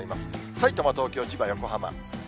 さいたま、東京、千葉、横浜。